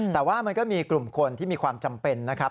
แต่ว่ามันก็มีกลุ่มคนที่มีความจำเป็นนะครับ